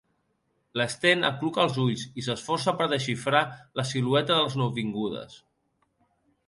L'Sten acluca els ulls i s'esforça per desxifrar la silueta de les nouvingudes.